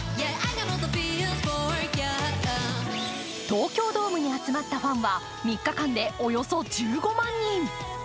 東京ドームに集まったファンは３日間でおよそ１５万人。